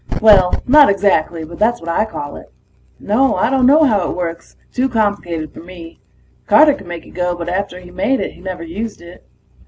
Well, not exactly, but that's what I call it. No, I don't know how it works. Too complicated for me. Carter could make it go, but after he made it he never used it.